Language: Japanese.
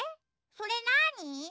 それなに？